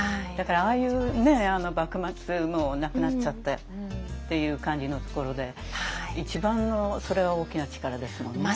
だからああいう幕末もうなくなっちゃってっていう感じのところで一番のそれが大きな力ですもんね。